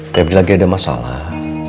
pebi lagi ada masalah